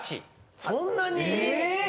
そんなに！？え？